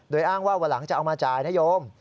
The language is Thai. โดยอ้างว่าวันหลังจะเอามาจ่ายนโยม